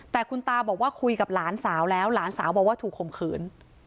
แต่คุณตาบอกว่าคุยกับหลานสาวแล้วหลานสาวบอกว่าถูกข่มขืน